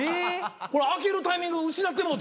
開けるタイミング失ってもうてやな。